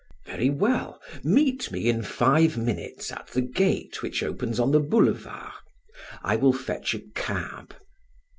"Very well, meet me in five minutes at the gate which opens on the boulevard. I will fetch a cab."